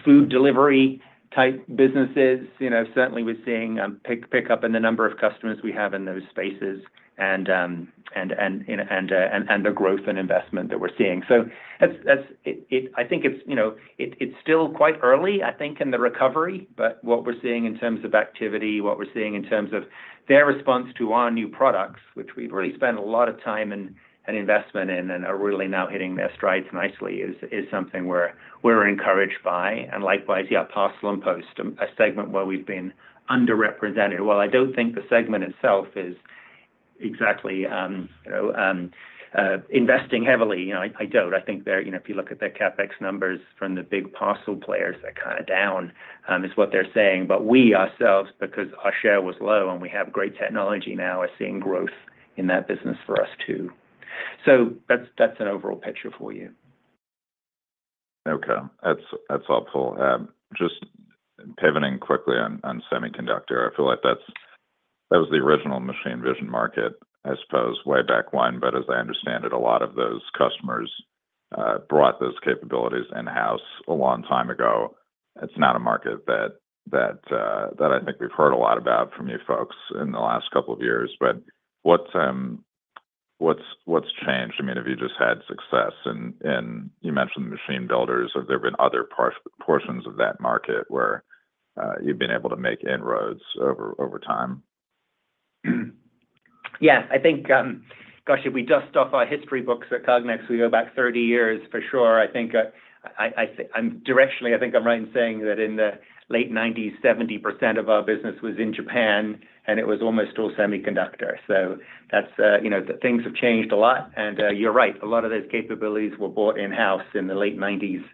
food delivery type businesses, certainly we're seeing pick up in the number of customers we have in those spaces and the growth and investment that we're seeing. So I think it's still quite early, I think, in the recovery. But what we're seeing in terms of activity, what we're seeing in terms of their response to our new products, which we've really spent a lot of time and investment in and are really now hitting their strides nicely, is something we're encouraged by. And likewise, yeah, parcel and post, a segment where we've been underrepresented. Well, I don't think the segment itself is exactly investing heavily. I don't. I think if you look at their CapEx numbers from the big parcel players, they're kind of down is what they're saying. But we ourselves, because our share was low and we have great technology now, are seeing growth in that business for us too. So that's an overall picture for you. Okay. That's helpful. Just pivoting quickly on semiconductor, I feel like that was the original machine vision market, I suppose, way back when. But as I understand it, a lot of those customers brought those capabilities in-house a long time ago. It's not a market that I think we've heard a lot about from you folks in the last couple of years. But what's changed? I mean, have you just had success? And you mentioned the machine builders. Have there been other portions of that market where you've been able to make inroads over time? Yeah. I think, gosh, if we dust off our history books at Cognex, we go back 30 years for sure. I think directionally, I think I'm right in saying that in the late 1990s, 70% of our business was in Japan, and it was almost all semiconductor. So things have changed a lot. And you're right. A lot of those capabilities were bought in-house in the late 1990s.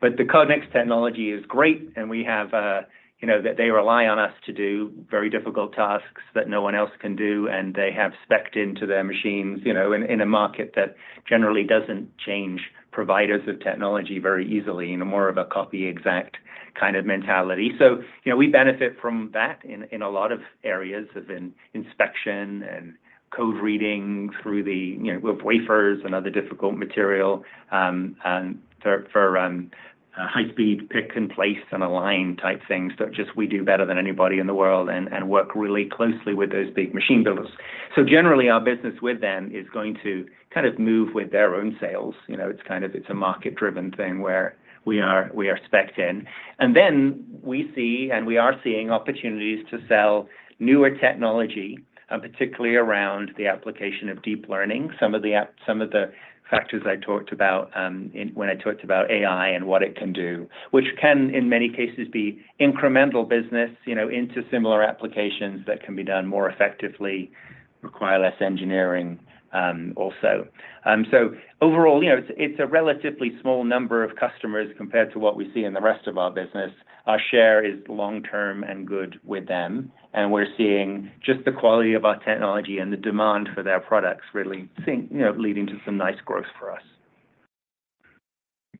But the Cognex technology is great. And we have that they rely on us to do very difficult tasks that no one else can do. And they have specced into their machines in a market that generally doesn't change providers of technology very easily, more of a Copy Exact kind of mentality. So we benefit from that in a lot of areas of inspection and code reading through the wafers and other difficult material for high-speed pick and place and align type things. Just we do better than anybody in the world and work really closely with those big machine builders. So generally, our business with them is going to kind of move with their own sales. It's kind of a market-driven thing where we are specced in. And then we see and we are seeing opportunities to sell newer technology, particularly around the application of deep learning, some of the factors I talked about when I talked about AI and what it can do, which can, in many cases, be incremental business into similar applications that can be done more effectively, require less engineering also. So overall, it's a relatively small number of customers compared to what we see in the rest of our business. Our share is long-term and good with them. And we're seeing just the quality of our technology and the demand for their products really leading to some nice growth for us.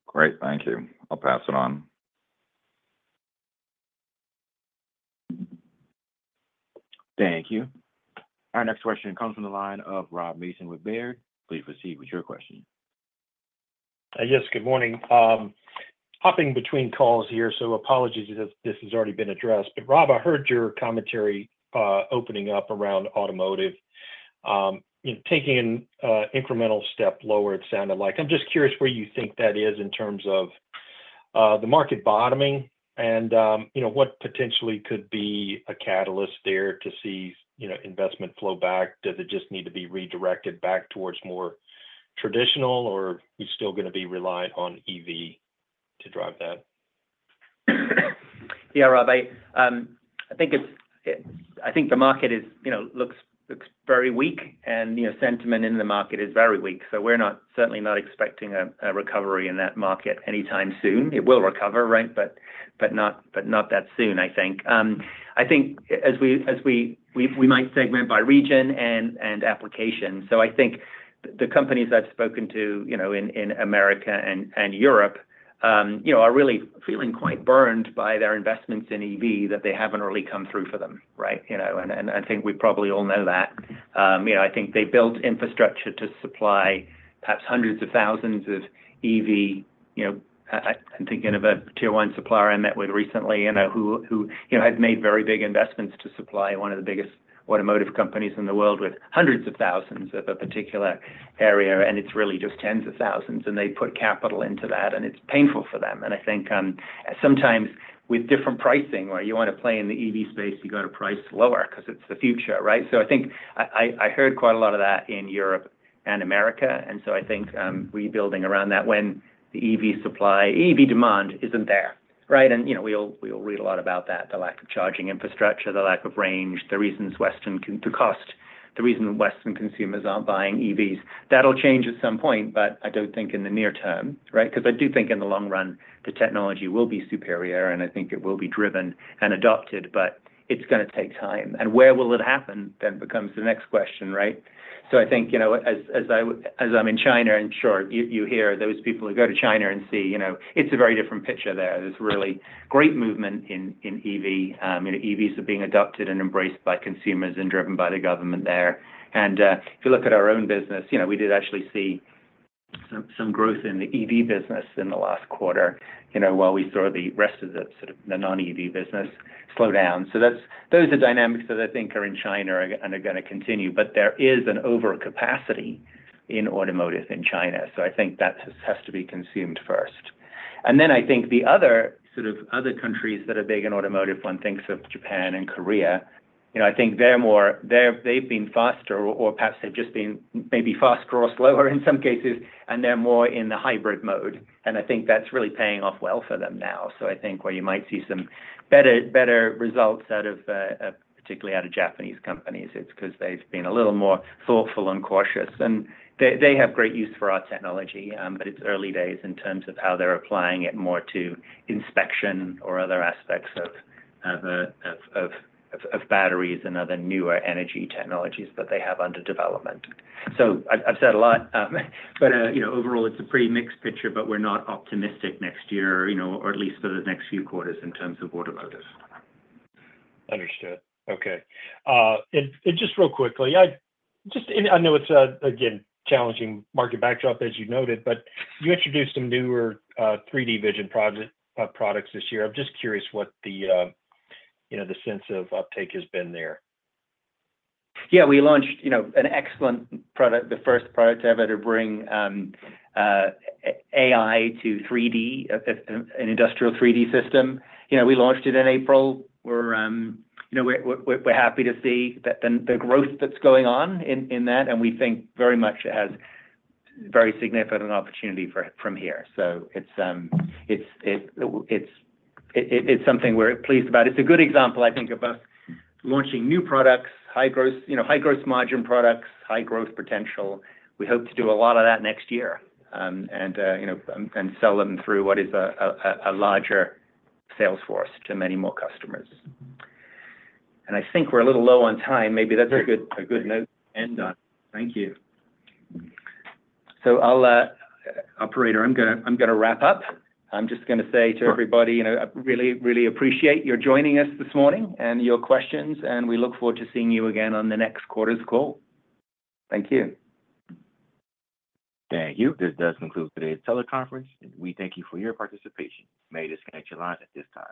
Great. Thank you. I'll pass it on. Thank you. Our next question comes from the line of Rob Mason with Baird. Please proceed with your question. Yes. Good morning. Hopping between calls here, so apologies if this has already been addressed. But Rob, I heard your commentary opening up around automotive. Taking an incremental step lower, it sounded like. I'm just curious where you think that is in terms of the market bottoming and what potentially could be a catalyst there to see investment flow back. Does it just need to be redirected back towards more traditional, or are we still going to be reliant on EV to drive that? Yeah, Rob, I think the market looks very weak, and sentiment in the market is very weak. So we're certainly not expecting a recovery in that market anytime soon. It will recover, right, but not that soon, I think. I think we might segment by region and application. So I think the companies I've spoken to in America and Europe are really feeling quite burned by their investments in EV that they haven't really come through for them, right? And I think we probably all know that. I think they built infrastructure to supply perhaps hundreds of thousands of EV. I'm thinking of a tier-one supplier I met with recently who has made very big investments to supply one of the biggest automotive companies in the world with hundreds of thousands of a particular area. And it's really just tens of thousands. And they put capital into that. And it's painful for them. And I think sometimes with different pricing, where you want to play in the EV space, you got to price lower because it's the future, right? So I think I heard quite a lot of that in Europe and America. And so I think rebuilding around that when the EV demand isn't there, right? And we all read a lot about that, the lack of charging infrastructure, the lack of range, the reasons the cost, the reason Western consumers aren't buying EVs. That'll change at some point, but I don't think in the near term, right? Because I do think in the long run, the technology will be superior. And I think it will be driven and adopted. But it's going to take time. And where will it happen then becomes the next question, right? So I think as I'm in China, I'm sure you hear those people who go to China and see it's a very different picture there. There's really great movement in EV. EVs are being adopted and embraced by consumers and driven by the government there. And if you look at our own business, we did actually see some growth in the EV business in the last quarter while we saw the rest of the non-EV business slow down. So those are dynamics that I think are in China and are going to continue. But there is an overcapacity in automotive in China. So I think that has to be consumed first. And then I think the other sort of other countries that are big in automotive, one thinks of Japan and Korea. I think they've been faster, or perhaps they've just been maybe faster or slower in some cases, and they're more in the hybrid mode. And I think that's really paying off well for them now. So I think where you might see some better results, particularly out of Japanese companies, it's because they've been a little more thoughtful and cautious. And they have great use for our technology. But it's early days in terms of how they're applying it more to inspection or other aspects of batteries and other newer energy technologies that they have under development. So I've said a lot. But overall, it's a pretty mixed picture, but we're not optimistic next year, or at least for the next few quarters in terms of automotive. Understood. Okay. And just real quickly, I know it's, again, challenging market backdrop, as you noted, but you introduced some newer 3D vision products this year. I'm just curious what the sense of uptake has been there. Yeah. We launched an excellent product, the first product ever to bring AI to 3D, an industrial 3D system. We launched it in April. We're happy to see the growth that's going on in that. and we think, very much, it has very significant opportunity from here, so it's something we're pleased about. It's a good example, I think, of us launching new products, high gross margin products, high-growth potential. We hope to do a lot of that next year and sell them through what is a larger sales force to many more customers. And I think we're a little low on time. Maybe that's a good note to end on. Thank you. So, operator, I'm going to wrap up. I'm just going to say to everybody, I really, really appreciate your joining us this morning and your questions. And we look forward to seeing you again on the next quarter's call. Thank you. Thank you. This does conclude today's teleconference. And we thank you for your participation. You may now disconnect your line at this time.